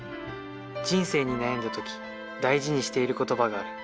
人生に悩んだ時大事にしている言葉がある